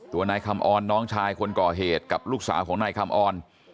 ตัวนายคำออนน้องชายคนก่อเหตุกับลูกสาวของนายคำออน